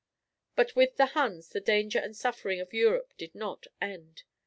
But with the Huns the danger and suffering of Europe did not end.